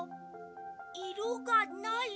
「いろがない？」。